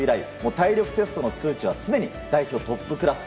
体力テストの数値は常に代表トップクラス。